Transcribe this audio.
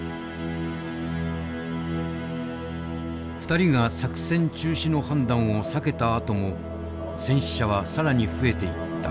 ２人が作戦中止の判断を避けたあとも戦死者は更に増えていった。